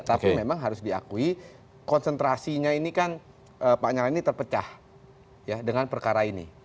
tapi memang harus diakui konsentrasinya ini kan pak nyala ini terpecah dengan perkara ini